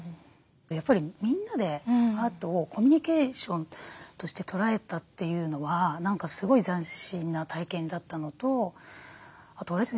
やっぱりみんなでアートをコミュニケーションとして捉えたというのは何かすごい斬新な体験だったのとあとあれですね